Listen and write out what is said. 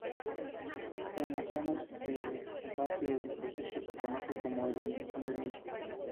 En las zonas de combate, el proceso se conoce como eliminación de minas.